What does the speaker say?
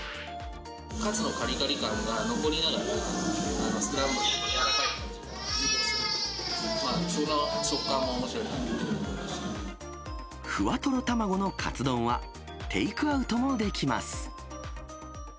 カツのかりかり感が残りながら、スクランブルの柔らかい感じと融合されてて、ふわとろ卵のカツ丼はテイクアウトもできます。